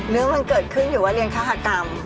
เรื่องมันเกิดขึ้นอยู่ว่าเรียนฆาตกรรม